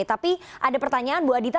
tapi ada pertanyaan bu adita